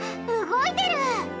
動いてる！